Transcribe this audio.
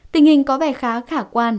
tình hình có vẻ khá khả quan